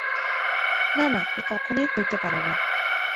না না, এ কখনো হইতেই পারে না।